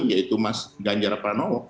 yaitu mas ganjarapranowo